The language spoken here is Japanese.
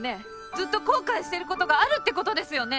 ずっと後悔してることがあるってことですよね？